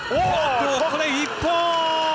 これ、一本！